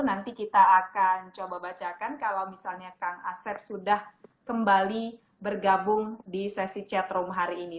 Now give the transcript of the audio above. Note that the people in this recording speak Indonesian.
nanti kita akan coba bacakan kalau misalnya kang asep sudah kembali bergabung di sesi chatroom hari ini